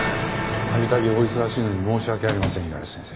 度々お忙しいのに申し訳ありません五十嵐先生。